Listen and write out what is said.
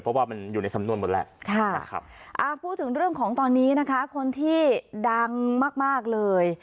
เพราะว่ามันอยู่ในสำนวนหมดแล้วพูดถึงเรื่องของตอนนี้นะคะคนที่ดังมากมากเลย